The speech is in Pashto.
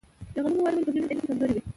د غنمو وده ولې په ځینو ځایونو کې کمزورې وي؟